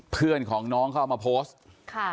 เพื่อนของน้องเขาเอามาโพสต์ค่ะ